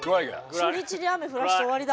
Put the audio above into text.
初日に雨降らして終わりだ。